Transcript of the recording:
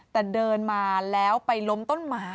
แต่เดินมาแล้วไปล้มต้นไม้